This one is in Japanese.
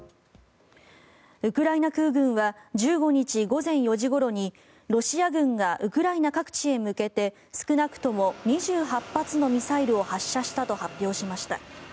ウクライナ空軍は１５日午前４時ごろにロシア軍がウクライナ各地へ向けて少なくとも２８発のミサイルを発射したと発表しました。